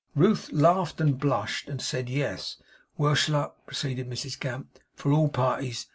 Ruth laughed blushed, and said 'Yes.' 'Worse luck,' proceeded Mrs Gamp, 'for all parties!